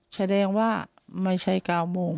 แสดงว่าไม่ใช่๙โมง